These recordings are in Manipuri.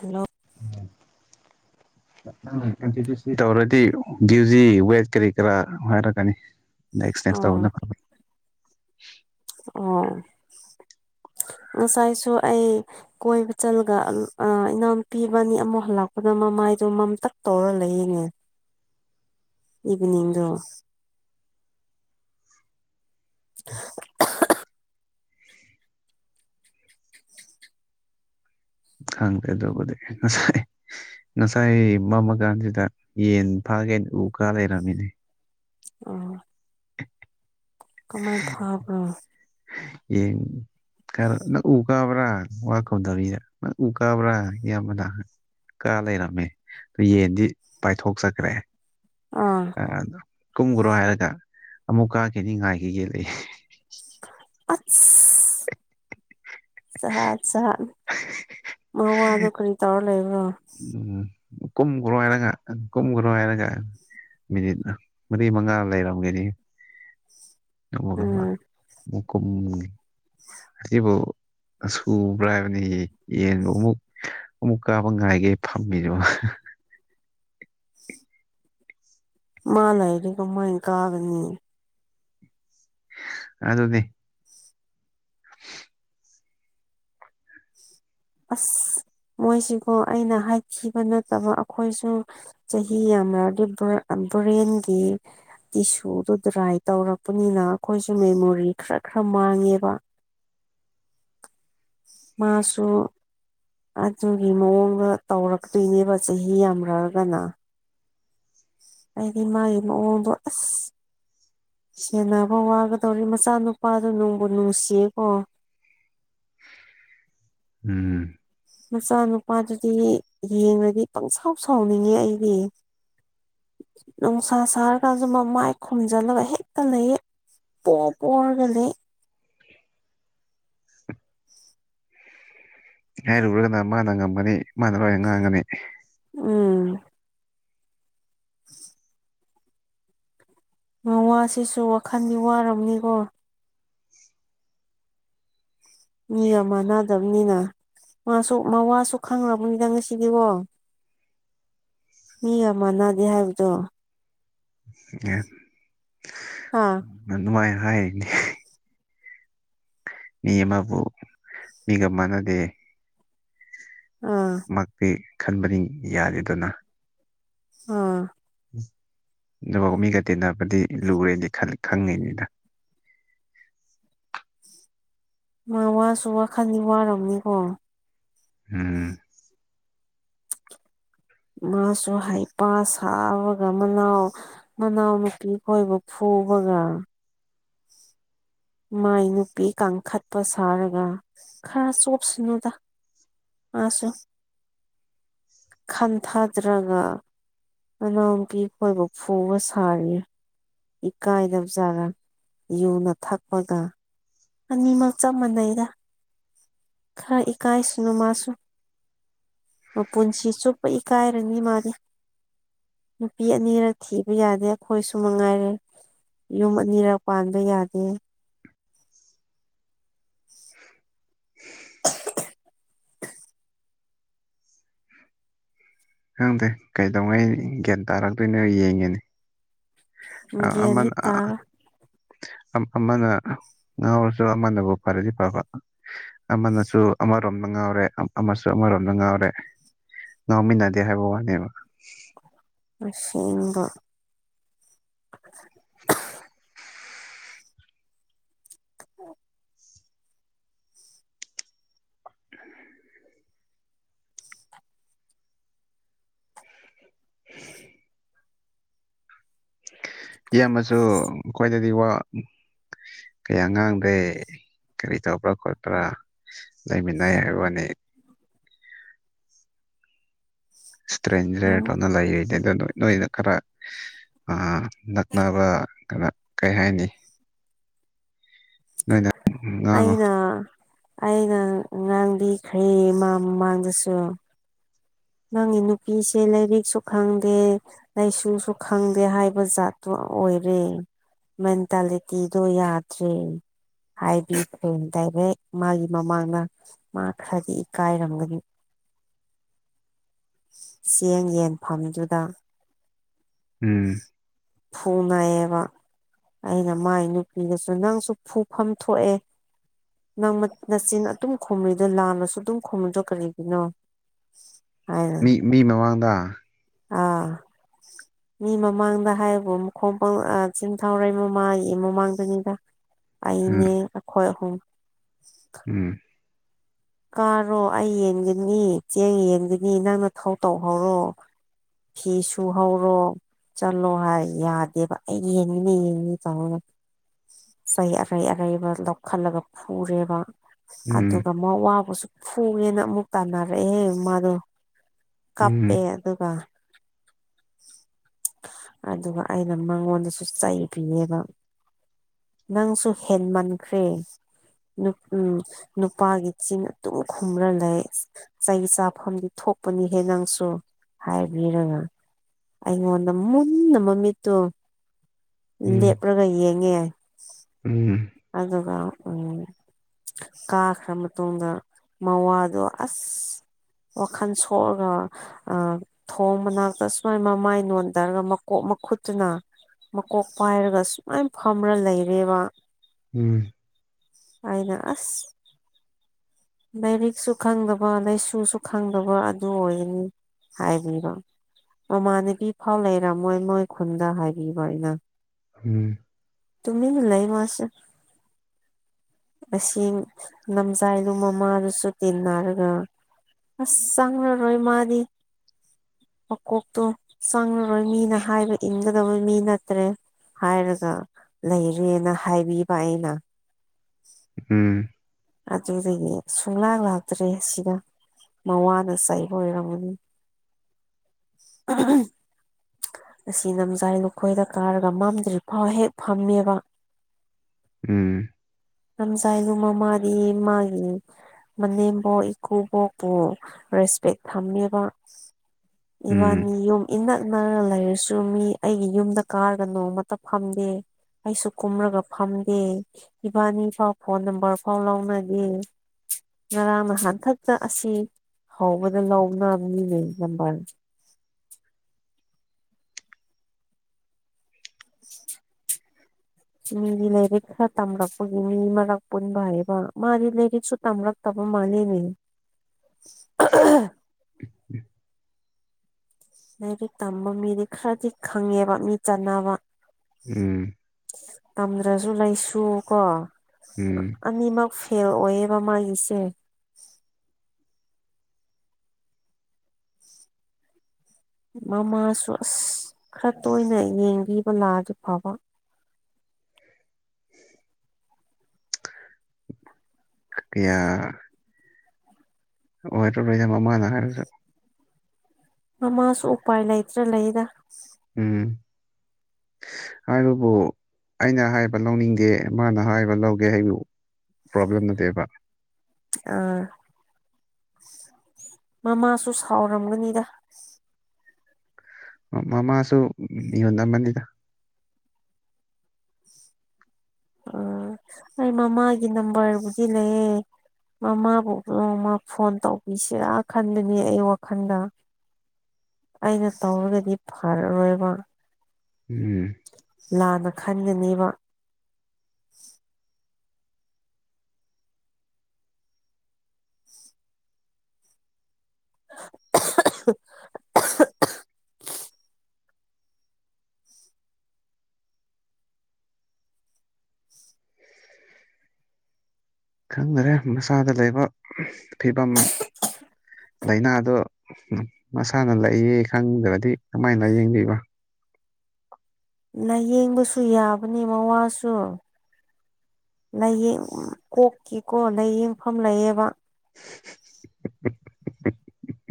ꯍꯜꯂꯣ ꯎꯝ ꯇꯧꯔꯗꯤ ꯨꯖꯤ ꯋꯦꯠ ꯀꯔꯤ ꯀꯔꯥ ꯍꯥꯏꯔꯛꯀꯅꯤ ꯅꯦꯛꯁ ꯅꯦꯛꯁ ꯇꯧꯕꯅ ꯑꯣ ꯐꯝꯃꯦ ꯑꯣ ꯅꯥꯁꯥꯏꯁꯨ ꯑꯩ ꯀꯣꯏꯕ ꯆꯠꯂꯒ ꯏꯅꯥꯎꯄꯤꯕꯅꯤ ꯑꯃꯨꯛ ꯍꯜꯂꯛꯄꯗ ꯃꯃꯥꯏꯗꯣ ꯃꯝꯇꯛ ꯇꯧꯔꯒ ꯂꯩꯌꯦꯡꯉꯦ ꯏꯚꯅꯤꯡꯗꯣ ꯈꯪꯗꯦ ꯑꯗꯨꯕꯨꯗꯤ ꯉꯁꯥꯏ ꯃꯝꯃ ꯀꯥꯟꯁꯤꯗ ꯌꯦꯟ ꯐꯥꯒꯦꯅ ꯎ ꯀꯥ ꯂꯩꯔꯝꯃꯤꯅꯦ ꯑꯣ ꯀꯥꯃꯥꯏ ꯄꯕ꯭ꯔꯣ ꯑꯦ ꯀꯔꯣ ꯎꯒꯕ꯭ꯔꯥ ꯋꯥ ꯈꯧꯗꯕꯤꯗ ꯎꯒꯕ꯭ꯔꯥ ꯌꯥꯝꯕꯅ ꯀ ꯂꯩꯔꯝꯃꯤ ꯑꯗꯨ ꯌꯦꯟꯗꯤ ꯄꯥꯏꯊꯣꯛꯆꯈ꯭ꯔꯦ ꯑꯥ ꯀꯨꯝꯈ꯭ꯔꯣ ꯍꯥꯏꯔꯒ ꯑꯃꯨꯛ ꯀꯥꯈꯤꯅꯤ ꯉꯥꯏꯈꯤ ꯌꯦꯛꯂꯛꯏ ꯑꯁ ꯖꯠ ꯖꯠ ꯅꯦ ꯃꯥ ꯋꯥꯗꯣ ꯀꯔꯤ ꯇꯥꯔ ꯂꯩꯕ꯭ꯔꯣ ꯎꯝ ꯀꯨꯝ ꯀ꯭ꯔ ꯍꯥꯏꯔꯒ ꯀꯨꯝ ꯀ꯭ꯔ ꯍꯥꯏꯔꯒ ꯃꯤꯅꯤꯠ ꯃꯔꯤ ꯃꯉꯥ ꯂꯩꯔꯝꯒꯅꯤ ꯃꯒ ꯎꯝ ꯃ ꯀꯝ ꯑꯁꯤꯕꯨ ꯁꯨꯕ꯭ꯔꯥ ꯍꯥꯏꯕꯅꯤ ꯌꯦꯟꯕꯨ ꯑꯃꯨꯛ ꯑꯃꯨꯛ ꯀꯥꯕ ꯉꯥꯏꯒꯦ ꯐꯝꯃꯤꯗꯨ ꯃꯥ ꯂꯩꯗꯤꯒꯃꯥꯏꯅ ꯀꯥꯒꯅꯤ ꯑꯗꯨꯅꯦ ꯑꯁ ꯃꯣꯏꯁꯤꯀꯣ ꯑꯩꯅ ꯍꯥꯏꯈꯤꯕ ꯅꯠꯇꯕ ꯑꯩꯈꯣꯏꯁꯨ ꯆꯍꯤ ꯌꯥꯝꯃꯗꯤ ꯕꯣꯔꯦꯟꯒꯤ ꯇꯤꯁꯨꯗꯨ ꯗ꯭ꯔꯥꯏ ꯇꯧꯔꯛꯄꯅꯤꯅ ꯑꯩꯈꯣꯏꯁꯨ ꯃꯦꯃꯣꯔꯤ ꯈꯔ ꯈꯔ ꯃꯥꯡꯉꯦꯕ ꯃꯥꯁꯨ ꯑꯗꯨꯒꯤ ꯃꯑꯣꯡꯗ ꯇꯧꯔꯛꯇꯣꯏꯅꯦꯕ ꯆꯍꯤ ꯌꯥꯝꯔꯒꯅ ꯑꯩꯗꯤ ꯃꯥꯒꯤ ꯃꯑꯣꯡꯗꯣ ꯑꯁ ꯁꯦꯟꯅꯕ ꯋꯥꯒꯗꯧꯔꯤ ꯃꯆꯥꯅꯨꯄꯥꯗꯨ ꯅꯨꯡꯕꯨ ꯅꯨꯡꯁꯤꯌꯦ ꯀꯣ ꯎꯝ ꯃꯆꯥꯅꯨꯄꯥꯗꯨꯗꯤ ꯌꯦꯡꯉꯗꯤ ꯄꯪꯁꯥꯎ ꯁꯥꯎꯅꯤꯡꯉꯦ ꯑꯩꯗꯤ ꯅꯨꯡꯁꯥ ꯁꯥꯔꯀꯥꯟꯁꯨ ꯃ ꯃꯥꯏ ꯈꯣꯝꯖꯤꯜꯂꯒ ꯍꯦꯛꯇ ꯂꯩꯌꯦ ꯄꯣꯔ ꯄꯣꯔꯒ ꯂꯩ [unintelligible] ꯍꯥꯏꯔꯨꯔꯒꯅ ꯃꯥꯅ ꯉꯝꯒꯅꯤ ꯃꯥꯅ ꯂꯣꯏꯅ ꯉꯥꯡꯒꯅꯤ ꯎꯝ [unintelligible] ꯃꯋꯥꯁꯤꯁꯨ ꯋꯥꯈꯟꯗꯤ ꯋꯥꯔꯕꯅꯤꯀꯣ ꯃꯤꯒ ꯑꯃꯥꯟꯅꯗꯕꯅꯤꯅ ꯃꯥꯁꯨ ꯃꯋꯥꯁꯨ ꯈꯪꯔꯝꯒꯅꯤꯅ ꯉꯁꯤꯗꯤꯀꯣ ꯒꯤꯒ ꯃꯥꯟꯅꯗꯦ ꯍꯥꯏꯕꯗꯣ [unintelligible] ꯍꯥꯥ ꯑꯗꯨꯃꯥꯏ ꯍꯥꯏꯔꯤꯅꯤ ꯃꯤ ꯑꯃꯕꯨ ꯃꯤꯒ ꯃꯥꯟꯅꯗꯦ ꯑꯥ ꯃꯛꯇꯤ ꯈꯟꯕꯅꯤ ꯌꯥꯗꯦꯗꯅ ꯑꯥ ꯑꯗꯨꯐꯥꯎ ꯃꯤꯒ ꯇꯤꯟꯅꯕꯗꯤ ꯂꯨꯔꯦꯗꯤ ꯈꯪꯉꯤꯅꯤꯗ ꯃꯥ ꯋꯥꯁꯨ ꯋꯥꯈꯜꯅꯤ ꯋꯥꯔꯝꯅꯤꯀꯣ ꯎꯝ ꯃꯥꯁꯨ ꯍꯩꯄꯥ ꯁꯥꯕꯒ ꯃꯅꯥꯎ ꯃꯅꯥꯎꯅꯨꯄꯤ ꯈꯣꯏꯕꯨ ꯐꯨꯕꯒ ꯃꯥꯏ ꯅꯨꯄꯤ ꯀꯥꯡꯈꯠꯄ ꯁꯥꯔꯒ ꯈꯔ ꯆꯣꯞꯁꯅꯨꯗ ꯃꯥꯁꯣ ꯈꯟꯊꯗ꯭ꯔꯒ ꯃꯅꯥꯎꯨꯄꯤ ꯈꯣꯏꯕꯨ ꯐꯨꯕ ꯁꯥꯔꯤꯌꯦ ꯏꯀꯥꯏꯗꯕ ꯖꯥꯠꯂ ꯌꯨꯅ ꯊꯛꯄꯒ ꯑꯅꯤꯃꯛ ꯆꯞ ꯃꯥꯟꯅꯩꯗ ꯈꯔ ꯏꯀꯥꯏ ꯁꯅꯨ ꯃꯥꯁꯨ ꯃꯄꯨꯟꯁꯤ ꯆꯨꯞꯄ ꯏꯀꯥꯏꯔꯅꯤ ꯃꯥꯗꯤ ꯅꯨꯄꯤ ꯑꯅꯤꯔꯛ ꯊꯤꯕ ꯌꯥꯗꯦ ꯑꯩꯈꯣꯏꯁꯨ ꯃꯉꯥꯏꯔꯦ ꯌꯨꯝ ꯑꯅꯤꯔꯛ ꯄꯥꯟꯕ ꯌꯥꯗꯦ ꯈꯪꯗꯦ ꯀꯩꯗꯧꯉꯩ ꯒ꯭ꯌꯥꯟ ꯇꯥꯔꯛꯇꯣꯏꯅꯣ ꯌꯦꯡꯉꯤꯅꯦ ꯑꯥ ꯒ꯭ꯌꯥꯟꯗꯤ ꯑꯃꯟ ꯇꯥꯔꯣꯏ ꯑꯃꯅ ꯉꯥꯎꯔꯁꯨ ꯑꯃꯅꯕꯨ ꯐꯔꯗꯤ ꯐꯕ ꯑꯃꯅꯁꯨ ꯑꯃ ꯔꯣꯝꯗ ꯉꯥꯎꯔꯦ ꯑꯃꯁꯨ ꯑꯃꯔꯣꯝꯗ ꯉꯥꯎꯔꯦ ꯉꯥꯎꯃꯤꯟꯅꯗꯦ ꯍꯥꯏꯕ ꯋꯥꯅꯦꯕ ꯑꯁꯦꯡꯕ ꯑꯣ [unintelligible] ꯏꯌꯥꯝꯃꯁꯨ ꯑꯩꯈꯣꯏꯗꯗꯤ ꯋꯥ ꯀꯌꯥ ꯉꯥꯡꯗꯦ ꯀꯔꯤ ꯇꯧꯕ꯭ꯔꯥ ꯈꯣꯠꯄ꯭ꯔꯥ ꯂꯩꯃꯤꯟꯅꯩ ꯍꯥꯏ ꯋꯥꯅꯤ ꯏꯁꯇ꯭ꯔꯦꯟꯖꯔ ꯎꯝ ꯗꯧꯅ [unintelligible] ꯅꯣꯏꯗ ꯈꯔ ꯅꯛꯅꯕ ꯑ ꯅꯛꯅꯕ ꯀꯩ ꯍꯥꯏꯅꯤ ꯅꯣꯏꯅ ꯉꯥꯡꯉꯣ ꯑꯩꯅꯥ ꯑꯩꯅ ꯉꯥꯡꯕꯤꯈ꯭ꯔꯦ ꯃꯃꯥꯡꯗꯁꯨ ꯅꯪꯒꯤ ꯅꯨꯄꯤꯁꯦ ꯂꯥꯏꯔꯤꯛꯁꯨ ꯈꯪꯗꯦ ꯂꯩꯁꯨꯁꯨ ꯈꯪꯗꯦ ꯍꯥꯏꯕ ꯖꯥꯠꯇꯨ ꯑꯣꯏꯔꯦ ꯃꯦꯟꯇꯥꯂꯤꯇꯤꯗꯣ ꯌꯥꯗ꯭ꯔꯦ ꯍꯥꯏꯗꯤ ꯐ ꯗꯥꯏꯚꯦꯛ ꯃꯥꯒꯤ ꯃꯃꯥꯡꯅ ꯃꯥ ꯈꯔꯗꯤ ꯏꯀꯥꯏꯔꯝꯒꯅꯤ ꯆꯦꯡ ꯌꯦꯟꯐꯝꯗꯨꯗ ꯎꯝ ꯐꯨꯅꯕ ꯑꯩꯅ ꯃꯥꯏ ꯅꯨꯄꯤꯗꯁꯨ ꯅꯪꯁꯨ ꯐꯨꯐꯝ ꯊꯣꯛꯑꯦ ꯅꯪ ꯅꯆꯤꯟ ꯑꯗꯨꯝ ꯈꯨꯝꯃꯤꯗꯣ ꯂꯥꯟꯅꯁꯨ ꯑꯗꯨꯝ ꯈꯨꯝꯃꯤꯗ꯭ꯔꯣ ꯀꯔꯤꯒꯤꯅꯣ ꯍꯥꯏꯅ ꯃꯤ ꯃꯤ ꯃꯃꯥꯡꯗ ꯑꯥ ꯃꯤ ꯃꯃꯥꯡꯗ ꯍꯥꯏꯕꯣꯣꯡꯥꯡ ꯆꯤꯡ ꯊꯥꯎꯔꯩ ꯃꯃꯥꯒꯤ ꯃꯃꯥꯡꯗꯅꯤꯗ [unintelligible] ꯑꯩꯅꯦ ꯑꯩꯈꯣꯏ ꯑꯍꯨꯝ ꯎꯝ ꯀꯥꯔꯣ ꯑꯩ ꯌꯦꯡꯒꯅꯤ ꯆꯦꯡ ꯌꯦꯡꯒꯅꯤ ꯅꯪꯅ ꯊꯧ ꯇꯧꯍꯧꯔꯣ ꯐꯤ ꯁꯨ ꯍꯧꯔꯣ ꯆꯠꯂꯣ ꯍꯥꯏ ꯌꯥꯗꯦꯕ ꯑꯩ ꯌꯦꯡꯅꯤꯅꯤ ꯌꯦꯡꯅꯤ ꯇꯪ ꯆꯩ ꯑꯔꯩ ꯑꯔꯩꯕ ꯂꯧꯈꯠꯂꯒ ꯐꯨꯔꯦꯕ ꯎꯝ ꯑꯗꯨꯒ ꯃꯥ ꯋꯥꯕꯨꯁꯨ ꯐꯨꯉꯦꯅ ꯑꯃꯨꯛ ꯇꯥꯅꯔꯛꯑꯦ ꯃꯥꯗꯣ ꯀꯄꯦ ꯎꯝ ꯑꯗꯨ ꯑꯗꯨꯒꯀ ꯑꯗꯨꯒ ꯑꯩꯅ ꯃꯉꯣꯟꯗꯁꯨ ꯆꯩꯕꯤꯌꯦꯕ ꯅꯪꯁꯨ ꯍꯦꯟꯃꯟꯈ꯭ꯔꯦ ꯎ ꯅꯨꯄꯥꯒꯤ ꯁꯤꯅ ꯑꯗꯨꯝ ꯈꯨꯝꯂ ꯂꯩ ꯆꯍꯤꯒꯤ ꯆꯥꯐꯝꯗꯤ ꯊꯣꯛꯄꯅꯤꯍꯦ ꯅꯪꯁꯨ ꯍꯥꯏꯕꯤꯔꯒ ꯑꯩꯉꯣꯟꯗ ꯃꯨꯟꯅ ꯃꯃꯤꯠꯇꯣ ꯎꯝ ꯂꯦꯞ꯭ꯔꯒ ꯌꯦꯡꯉꯦ ꯎꯝ ꯑ ꯀ ꯎꯝ ꯀꯥꯈ꯭ꯔ ꯃꯇꯨꯡꯗ ꯃꯋꯥꯗꯣ ꯑꯁ ꯋꯥꯈꯜ ꯁꯣꯛꯑꯒ ꯊꯣꯡ ꯃꯅꯥꯛꯇ ꯁꯨꯃꯥꯏ ꯃꯃꯥꯏ ꯅꯣꯟꯊꯔꯒ ꯃꯀꯣꯛ ꯃꯈꯨꯠꯇꯨꯅ ꯃꯀꯣꯛ ꯄꯥꯏꯔꯒ ꯁꯨꯃꯥꯏꯅ ꯐꯝꯔ ꯂꯩꯔꯦꯕ ꯎꯝ ꯍꯥꯏꯅ ꯑꯁ ꯂꯥꯏꯔꯤꯛꯁꯨ ꯈꯪꯗꯕ ꯂꯥꯏꯁꯨꯁꯨ ꯈꯪꯗꯕ ꯑꯗꯨ ꯑꯣꯏꯒꯅꯤ ꯍꯥꯏꯕꯤꯕꯣ ꯃꯃꯥꯟꯅꯕꯤ ꯐꯥꯎ ꯂꯩꯔꯝꯃꯣꯏ ꯃꯣꯏ ꯈꯨꯟꯗ ꯍꯥꯏꯕꯤꯕ ꯑꯩꯅ ꯎꯝ ꯇꯨꯝꯃꯤ ꯂꯩꯥꯏ ꯃꯥꯁ ꯑꯁꯤ ꯅꯝꯖꯥꯏꯗꯨ ꯃꯃꯥꯗꯨꯁꯨ ꯇꯤꯟꯅꯔꯒ ꯑꯁ ꯆꯪꯅꯔꯣꯏ ꯃꯥꯗꯤ ꯃꯀꯣꯛꯇꯣ ꯆꯪꯂꯉꯔꯣꯏ ꯃꯤꯅ ꯍꯥꯏꯕ ꯏꯟꯒꯗꯕ ꯃꯤ ꯅꯠꯇ꯭ꯔꯦ ꯍꯥꯏꯔꯒ ꯂꯩꯔꯦꯅ ꯍꯥꯏꯕꯤꯕ ꯑꯩꯅ ꯎ ꯎꯝ ꯑꯗꯨꯗꯒꯤ ꯁꯨꯡꯂꯥꯛ ꯂꯥꯛꯇ꯭ꯔꯦ ꯁꯤꯗ ꯃꯋꯥꯅ ꯁꯕ ꯑꯣꯏꯔꯝꯃꯅꯤ ꯑꯁꯤ ꯅꯝꯖꯥꯏ ꯂꯨꯈꯣꯏꯗ ꯀꯥꯔꯒ ꯃꯝꯗ꯭ꯔꯤ ꯐꯥꯎ ꯍꯦꯛ ꯐꯝꯃꯦꯕ [inaudible] ꯂꯝꯖꯥꯏꯗꯣ ꯃꯥꯃꯥꯅꯦꯌꯦ ꯃꯥꯒꯤ ꯃꯅꯦꯝꯕꯣꯛ ꯏꯀꯨꯕꯣꯛꯄꯨ ꯔꯦꯁꯄꯦꯛ ꯊꯝꯃꯦꯕ [inaudible] ꯏꯕꯥꯅꯤ ꯌꯨꯝ ꯏꯅꯛꯅꯔ ꯂꯩꯔꯁꯨ ꯃꯤ ꯑꯩꯒꯤ ꯌꯨꯝꯗ ꯀꯥꯔꯒ ꯅꯣꯡꯃꯇ ꯐꯝꯗꯦ ꯑꯩꯁꯨ ꯀꯨꯝꯔꯒ ꯐꯝꯗꯦ ꯏꯕꯥꯅꯤꯐꯥꯎ ꯐꯣꯟ ꯅꯝꯕꯔ ꯐꯥꯎ ꯂꯥꯎꯅꯒꯦ ꯉꯔꯥꯡ ꯅꯍꯟꯈꯛꯇ ꯑꯁꯤ ꯍꯥꯎꯕꯗ ꯂꯥꯎꯅꯥꯕꯅꯤꯅꯦ ꯅꯝꯕꯜ [unintelligible] [inaudible] ꯃꯤꯒꯤ ꯂꯥꯏꯔꯤꯛ ꯈꯔ ꯇꯝꯂꯛꯄꯒꯤ ꯃꯤ ꯃꯔꯛ ꯄꯨꯟꯕ ꯍꯥꯏꯕ ꯃꯥꯗꯤ ꯂꯥꯏꯔꯤꯛꯁꯨ ꯇꯝꯔꯛꯇꯕ ꯃꯥꯟꯅꯤꯅꯦ [inaudible] [unintelligible] ꯂꯥꯏꯔꯤꯛ ꯇꯝꯕ ꯃꯤꯗꯤ ꯈꯔꯗꯤ ꯈꯪꯉꯦꯕ ꯃꯤ ꯆꯥꯟꯅꯕ ꯎꯝ ꯇꯝꯗ꯭ꯔꯁꯨ ꯂꯩꯁꯨ ꯀꯣ ꯎꯝ ꯑꯅꯤꯃꯛ ꯐꯦꯜ ꯑꯣꯏꯌꯦꯕ ꯃꯥꯒꯤꯁꯦ ꯃꯃꯥꯁꯨ ꯑꯁ ꯈꯔ ꯇꯣꯏꯅ ꯌꯦꯡꯕꯤꯕ ꯂꯥꯛꯑꯗꯤ ꯐꯕ ꯑꯌꯥ ꯑꯣꯏꯔꯣꯏꯌꯦ ꯃꯃꯥꯅ ꯍꯥꯏꯔꯁꯨ ꯃꯃꯥꯁꯨ ꯎꯄꯥꯏ ꯂꯩꯇ꯭ꯔꯥ ꯂꯩꯗ ꯎꯝ ꯍꯥꯏꯕꯕꯨ ꯑꯩꯅ ꯍꯥꯏꯕ ꯂꯧꯅꯤꯡꯗꯦ ꯃꯥꯅ ꯍꯥꯏꯕ ꯂꯧꯒꯦ ꯍꯥꯏꯌꯨ ꯄ꯭ꯔꯣꯕ꯭ꯂꯦꯝ ꯅꯠꯇꯦꯕ ꯑꯥ ꯃꯃꯥꯁꯨ ꯁꯥꯎꯔꯝꯒꯅꯤꯗ ꯃꯃꯥꯁꯨ ꯃꯤꯍꯨꯟ ꯑꯃꯅꯤꯗ ꯑꯥ ꯑꯩ ꯃꯃꯥꯒꯤ ꯅꯝꯕꯔꯕꯨꯗꯤ ꯂꯩꯌꯦ ꯃꯃꯥꯕꯨ ꯅꯣꯡꯃ ꯐꯣꯟ ꯇꯧꯕꯤꯁꯤꯔꯥ ꯈꯟꯕꯅꯤ ꯑꯩ ꯋꯥꯈꯜꯗ ꯑꯩꯅ ꯇꯧꯔꯒꯗꯤ ꯐꯔꯔꯣꯏꯕ ꯎꯝ ꯂꯥꯟꯅ ꯈꯟꯒꯅꯤꯕ [unintelligible] ꯈꯪꯗꯔꯦ ꯃꯁꯥꯗ ꯂꯩꯕ ꯐꯤꯕꯝ ꯂꯩꯅꯥꯗꯣ ꯃꯁꯥꯅ ꯂꯩꯌꯦ ꯈꯪꯗ꯭ꯔꯗꯤ ꯀꯃꯥꯏ ꯅꯥꯌꯦꯡꯅꯤꯕ ꯂꯥꯏꯌꯦꯡꯕꯁꯨ ꯌꯥꯕꯅꯤ ꯃꯋꯥꯁꯨ ꯂꯩꯌꯦꯡ ꯎꯝ ꯀꯣꯛꯀꯤꯀꯣ ꯂꯥꯏꯌꯦꯡꯐꯝ ꯂꯩꯌꯦꯕ [unintelligible]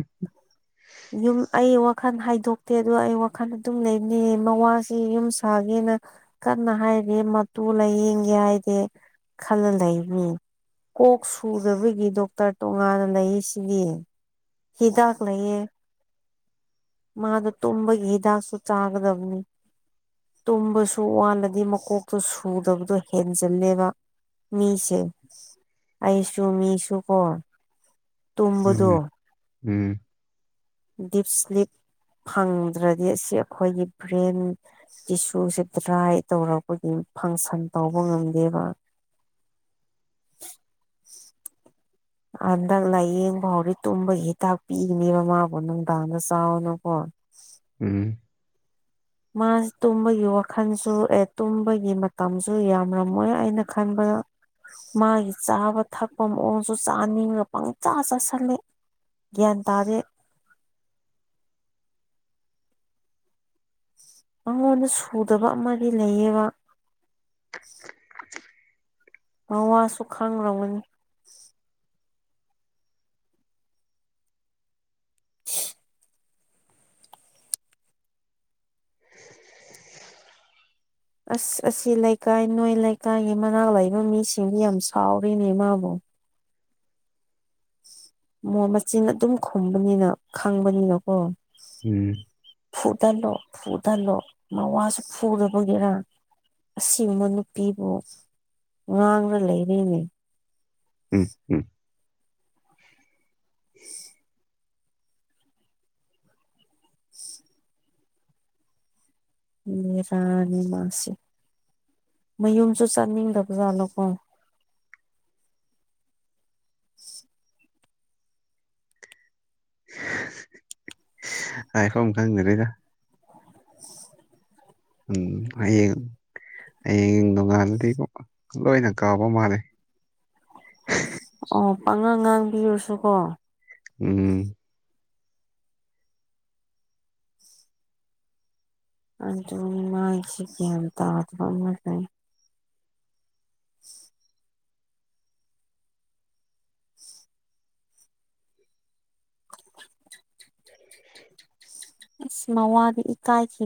ꯌꯨꯝ ꯑꯩ ꯋꯥꯈꯜ ꯍꯥꯏꯗꯣꯛꯇꯦ ꯑꯗꯣ ꯑꯩ ꯋꯥꯈꯜ ꯑꯗꯨꯝ ꯂꯩꯕꯅꯦ ꯃꯋꯥꯁꯦ ꯌꯨꯝ ꯁꯥꯒꯦꯅ ꯀꯟꯅ ꯍꯥꯏꯔꯤ ꯃꯇꯨ ꯂꯥꯏꯌꯦꯡꯒꯦ ꯍꯥꯏꯗꯦ ꯈꯜꯂ ꯂꯩꯕꯅꯦ ꯀꯣꯛ ꯁꯨꯗꯕꯒꯤ ꯗꯣꯛꯇꯔ ꯇꯣꯉꯥꯟꯅ ꯂꯩ ꯁꯤꯗꯤ ꯍꯤꯗꯥꯛ ꯂꯩꯌꯦ ꯃꯥꯗꯣ ꯇꯨꯝꯕꯒꯤ ꯍꯤꯗꯥꯛꯁꯨ ꯆꯥꯒꯗꯕꯅꯤ ꯇꯨꯝꯕꯁꯨ ꯋꯥꯠꯜꯂꯗꯤ ꯃꯀꯣꯛꯇꯣ ꯁꯨꯗꯕꯗꯣ ꯍꯦꯟꯖꯤꯜꯂꯦꯕ ꯃꯤꯁꯦ ꯑꯩꯁꯨꯨ ꯃꯤꯁꯨ ꯀꯣ ꯇꯨꯝꯕꯗꯣ ꯎꯝ ꯎꯝ ꯗꯤꯞ ꯏꯁꯂꯤꯞ ꯐꯪꯗ꯭ꯔꯗꯤ ꯑꯁꯤ ꯑꯩꯈꯣꯏꯒꯤ ꯕ꯭ꯔꯦꯟ ꯇꯤꯁꯨꯁꯦ ꯗ꯭ꯔꯥꯏ ꯇꯧꯔꯛꯄꯒꯤ ꯐꯪꯁꯟ ꯇꯧꯕ ꯉꯝꯗꯦꯕ ꯍꯟꯗꯛ ꯂꯥꯏꯌꯦꯡ ꯐꯥꯎꯗꯤ ꯇꯨꯝꯕꯒꯤ ꯍꯤꯗꯥꯛ ꯄꯤꯒꯅꯦꯕ ꯃꯃꯥꯕꯨ ꯅꯨꯡꯗꯥꯡꯗ ꯆꯥꯎꯋꯣꯅꯀꯣ ꯎꯝ ꯃꯥꯁꯤ ꯇꯨꯝꯕꯒꯤ ꯋꯥꯈꯜꯁꯨ ꯑꯦ ꯇꯨꯝꯕꯒꯤ ꯃꯇꯝꯁꯨ ꯌꯥꯝꯔꯝꯃꯣꯏ ꯑꯩꯅ ꯈꯟꯕꯗ ꯃꯥꯒꯤ ꯆꯥꯕ ꯊꯛꯄ ꯃꯑꯣꯡꯁꯨ ꯆꯥꯅꯤꯡꯉ ꯄꯪꯆꯥꯥ ꯆꯥꯁꯤꯜꯂꯦ ꯒ꯭ꯌꯥꯟ ꯇꯥꯗꯦ ꯑꯩꯉꯣꯟꯗ ꯁꯨꯗꯕ ꯑꯃꯗꯤ ꯂꯩꯌꯦꯕ ꯃꯋꯥꯁꯨ ꯈꯥꯡꯔꯝꯒꯅꯤ [unintelligible] ꯑꯁ ꯑꯁꯤ ꯂꯩꯀꯥꯏ ꯅꯣꯏ ꯂꯩꯀꯥꯏꯒꯤ ꯃꯅꯥꯛ ꯂꯩꯕ ꯃꯤꯁꯤꯡꯗꯤ ꯌꯥꯝ ꯁꯥꯎꯔꯤꯅꯦ ꯃꯥꯕꯨ ꯃ ꯃꯆꯤꯟ ꯑꯗꯨꯝ ꯈꯨꯝꯕꯅꯤꯅ ꯈꯪꯕꯅꯤꯅꯀꯣ ꯎꯝ ꯐꯨꯊꯜꯂꯣ ꯐꯨꯊꯜꯂꯣ ꯃꯋꯥꯁꯨ ꯐꯨꯗꯕꯒꯤꯔ ꯑꯁꯤꯒꯨꯕ ꯅꯨꯄꯤꯕꯨ ꯉꯥꯡꯅ ꯂꯩꯔꯤꯅꯤ ꯎꯝ ꯎꯝ [unintelligible] ꯕꯦꯔꯅꯤ ꯃꯥꯁꯤ ꯃꯌꯨꯝꯁꯨ ꯆꯠꯅꯤꯡꯗꯕꯖꯥꯠꯂꯣꯀꯣ [unintelligible] ꯎ [unintelligible] ꯍꯥꯢꯐꯝ ꯈꯪꯗꯔꯦꯗ [unintelligible] ꯎꯝ ꯍꯌꯦꯡ ꯍꯌꯦꯡ ꯅꯣꯡꯉꯥꯟꯜꯂꯗꯤ ꯂꯣꯏꯅ ꯀꯥꯕ ꯃꯥꯜꯂꯦ ꯑꯣ ꯄꯥꯉꯥꯡ ꯉꯥꯡꯕꯤꯔꯨꯔꯁꯨꯀꯣ ꯎꯝ ꯑꯗꯨꯃꯥꯢ ꯒꯌꯥꯟ ꯇꯥꯗꯕ ꯑꯃ ꯂꯩ [unintelligible] ꯑꯁ ꯃꯋꯥꯗꯣ ꯏꯀꯥꯏꯗꯦ